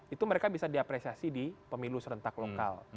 itu mereka bisa diapresiasi di pemilu serentak lokal